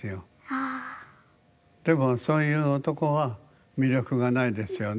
でもそういう男は魅力がないですよね？